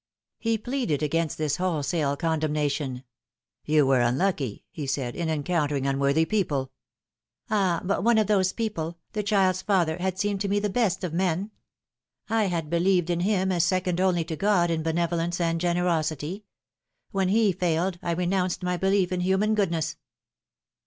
He pleaded against this wholesale condemnation. " You were unlucky," he said, " in encountering unworthy people." " Ah, but one of those people, the child's father, had seemed to me the best of men. I had believed in him as second only to God in benevolence and generosity. When he failed I renounced iny belief in human goodness."